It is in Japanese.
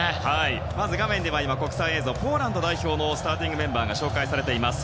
まず画面ではポーランド代表のスターティングメンバーが紹介されています。